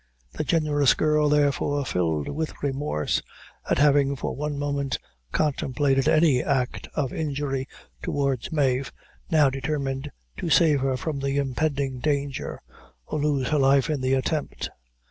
The generous girl, therefore, filled with remorse at having, for one moment, contemplated any act of injury towards Mave, now determined to save her from the impending danger, or lose her life in the attempt.